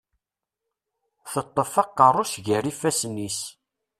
Teṭṭef aqerru-s gar yifassen-is.